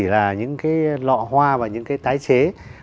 và những lọ hoa và những tái chế